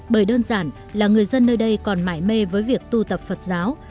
bởi đơn giản là người dân nơi đây còn mãi mê với việc tu tập phật giáo